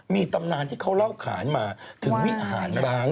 มีตำนานที่เขาเล่าขานมาถึงวิหารล้าง